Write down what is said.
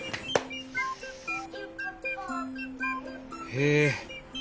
へえ。